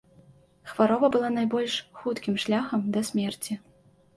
Хвароба была найбольш хуткім шляхам да смерці.